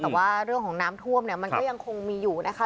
แต่ว่าเรื่องของน้ำท่วมเนี่ยมันก็ยังคงมีอยู่นะคะ